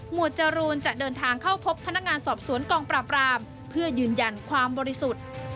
จรูนจะเดินทางเข้าพบพนักงานสอบสวนกองปราบรามเพื่อยืนยันความบริสุทธิ์